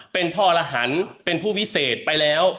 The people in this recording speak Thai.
เป็นผู้วิเศษไปแล้ว